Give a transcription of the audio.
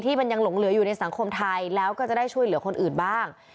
ยังหลงเหลืออยู่ในสังคมไทยแล้วก็จะได้ช่วยเหลือคนอื่นบ้าง